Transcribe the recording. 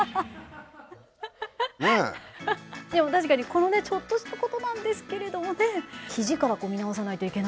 でも確かにこのねちょっとしたことなんですけれどもね肘から見直さないといけないんだなって。